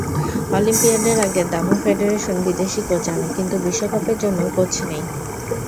অলিম্পিয়াডের আগে দাবা ফেডারেশন বিদেশি কোচ আনে, কিন্তু বিশ্বকাপের জন্য কোচ নেই।